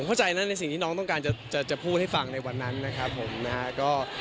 เข้าใจนะในสิ่งที่น้องต้องการจะพูดให้ฟังในวันนั้นนะครับผมนะฮะ